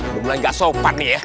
udah mulai gak sopan nih ya